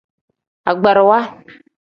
Agbarawa.